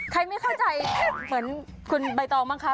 ไม่เข้าใจเหมือนคุณใบตองบ้างคะ